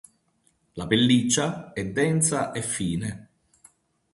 La pelliccia è densa e fine.